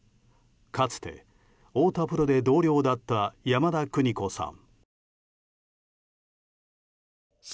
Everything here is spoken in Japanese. かつて、太田プロで同僚だった山田邦子さん。